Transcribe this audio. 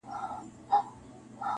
چي د وخت له تاریکیو را بهر سي,